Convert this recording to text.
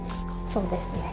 そうですね。